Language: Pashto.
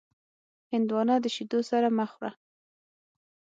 هندوانه د شیدو سره مه خوره.